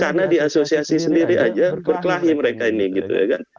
karena di asosiasi sendiri aja berkelahi mereka ini gitu ya kan